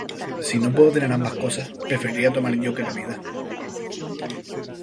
Si no puedo tener ambas cosas, preferiría tomar yo que la vida.